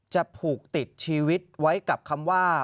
ผูกติดชีวิตไว้กับคำว่า